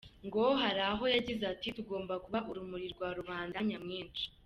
Ngo hari aho yagize ati “Tugomba kuba urumuri rwa rubanda nyamwinshi.